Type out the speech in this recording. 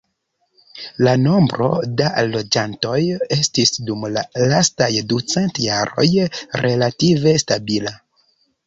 La nombro da loĝantoj estis dum la lastaj ducent jaroj relative stabila.